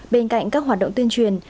bên cạnh các hoạt động tuyên truyền